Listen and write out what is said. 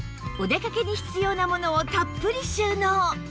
お出かけに必要なものをたっぷり収納